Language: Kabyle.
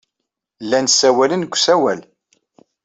Llan ssawalen deg usawal.